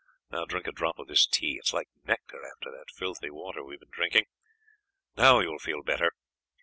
Now drink a drop of this tea; it's like nectar after that filthy water we have been drinking. Now you will feel better.